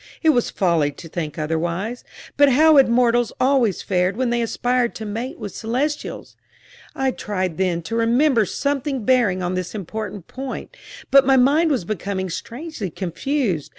It was folly to think otherwise. But how had mortals always fared when they aspired to mate with celestials? I tried then to remember something bearing on this important point, but my mind was becoming strangely confused.